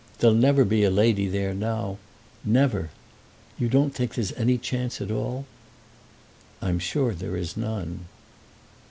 There'll never be a lady there now; never. You don't think there's any chance at all?" "I'm sure there is none."